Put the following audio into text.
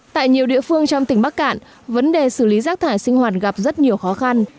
tại nhiều địa phương trong tỉnh bắc cạn vấn đề xử lý rác thải sinh hoạt gặp rất nhiều khó khăn